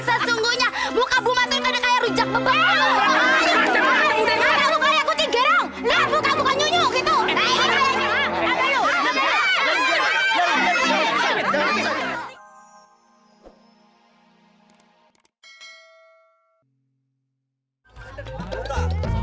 sungguhnya buka buma terjadi kayak rujak bebek buka buka nyunyuk itu